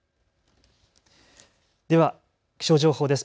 では気象情報です。